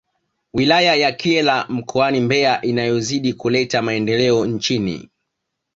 Wilaya ya Kyela mkoani Mbeya inayozidi kuleta maendeleo nchini